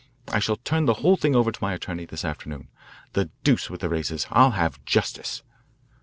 I shall turn the whole thing over to my attorney this afternoon. The deuce with the races I'll have justice."